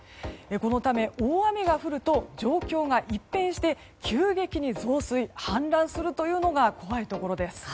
このため、大雨が降ると状況が一変して急激に増水・氾濫するというのが怖いところです。